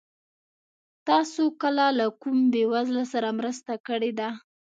تاسو کله له کوم بېوزله سره مرسته کړې ده؟